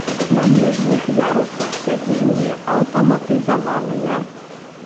На ніжніх ярусах сядзенні аўтаматызаваныя.